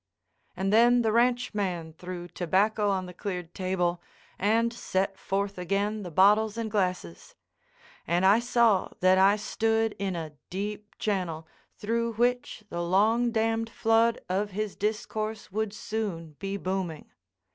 And then the ranchman threw tobacco on the cleared table and set forth again the bottles and glasses; and I saw that I stood in a deep channel through which the long dammed flood of his discourse would soon be booming.